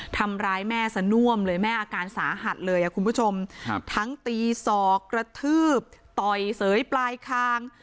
ทำร้ายแม่สน่วมเลยแม่อาการสาหัสเลยคุณผู้ชมทั้งตีศอกกระทืบต่อยเสยปลายคาง